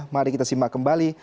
mari kita simak kembali